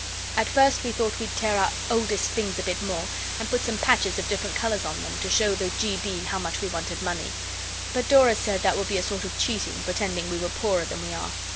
At first we thought we'd tear our oldest things a bit more, and put some patches of different colours on them, to show the G. B. how much we wanted money. But Dora said that would be a sort of cheating, pretending we were poorer than we are.